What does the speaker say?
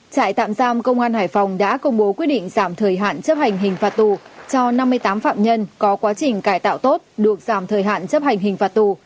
trại tạm giam công an hải phòng đã công bố quyết định giảm thời hạn chấp hành hình phạt tù cho năm mươi tám phạm nhân có quá trình cải tạo tốt được giảm thời hạn chấp hành hình phạt tù